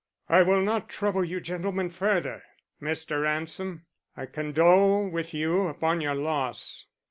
"I will not trouble you gentlemen further. Mr. Ransom, I condole with you upon your loss.